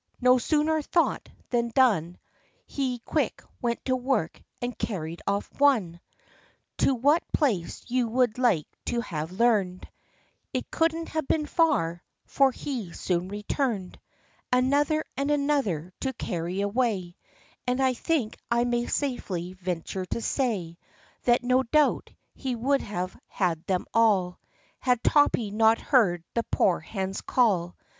No sooner thought than done; He quick went to work and carried off* one; To what place you would like to have learned; It couldn't have been far, for he soon returned, Another and another to carry away; And I think I may safely venture to say, That, no doubt, he would have had them all, Had Topsy not heard the poor hen's call.